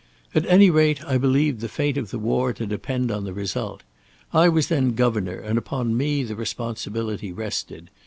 At any rate, I believed the fate of the war to depend on the result. I was then Governor, and upon me the responsibility rested.